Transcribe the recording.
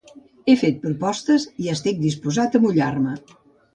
He fet propostes i estic disposat a mullar-me.